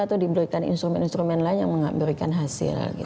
atau diberikan instrumen instrumen lain yang memberikan hasil